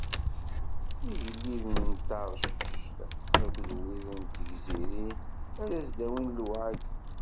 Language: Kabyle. Igelliden n Taṛcic akked wid n tegzirin ad s-d-awin lewɛadi.